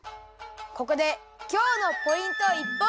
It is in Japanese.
ここで今日のポイント一本釣り！